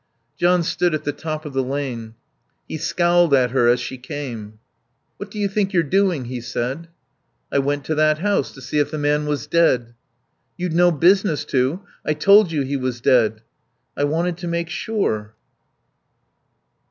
John stood at the top of the lane. He scowled at her as she came. "What do you think you're doing!" he said. "I went to that house to see if the man was dead." "You'd no business to. I told you he was dead." "I wanted to make sure."